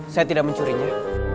saya tidak mencurinya